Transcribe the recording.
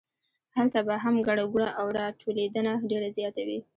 هلته به هم ګڼه ګوڼه او راټولېدنه ډېره زیاته وي.